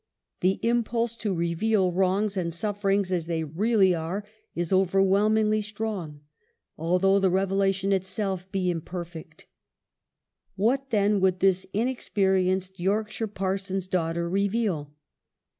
The impulse to reveal wrongs and sufferings as they really are is overwhelmingly strong ; although the revelation itself be imper fect. What, then, would this inexperienced York shire parson's daughter reveal